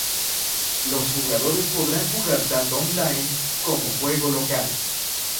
Los jugadores podrán jugar tanto on-line como juego local.